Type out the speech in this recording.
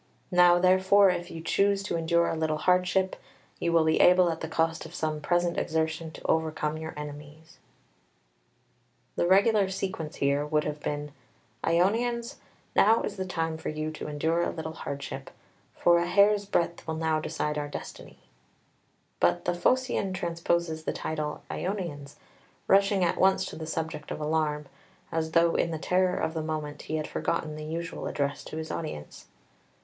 Now, therefore, if you choose to endure a little hardship, you will be able at the cost of some present exertion to overcome your enemies." [Footnote 1: vi. 11.] 2 The regular sequence here would have been: "Ionians, now is the time for you to endure a little hardship; for a hair's breadth will now decide our destiny." But the Phocaean transposes the title "Ionians," rushing at once to the subject of alarm, as though in the terror of the moment he had forgotten the usual address to his audience.